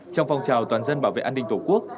trong phong trào toàn dân bảo vệ an ninh tổ quốc